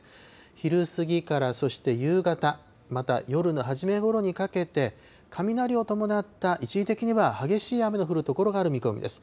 昼過ぎから、そして夕方、また夜のはじめごろにかけて、雷を伴った一時的には激しい雨の降る所がある見込みです。